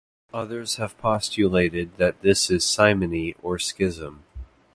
Others have postulated that is Simony or schism.